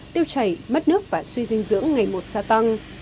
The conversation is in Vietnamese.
tiêu chảy mất nước và suy dinh dưỡng ngày một gia tăng